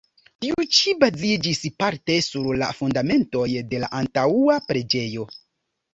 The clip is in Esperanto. Tiu ĉi baziĝis parte sur la fundamentoj de la antaŭa preĝejo.